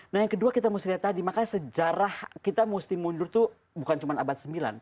nah yang kedua kita mesti lihat tadi makanya sejarah kita mesti mundur itu bukan cuma abad sembilan